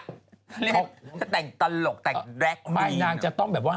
เขาจะแต่งตลกแต่งแร็กไม่นางจะต้องแบบว่า